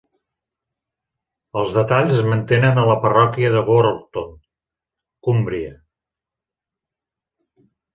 Els detalls es mantenen a la parròquia de Whorlton, Cúmbria.